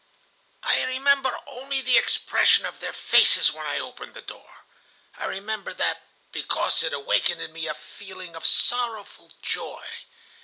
"I remember only the expression of their faces when I opened the door. I remember that, because it awakened in me a feeling of sorrowful joy.